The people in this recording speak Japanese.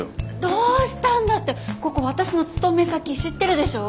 「どうしたんだ？」ってここ私の勤め先知ってるでしょう。